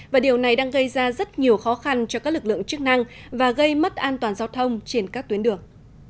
và điều này đang gây ra rất nhiều khó khăn cho các lực lượng chức năng và gây mất an toàn giao thông trên các tuyến đường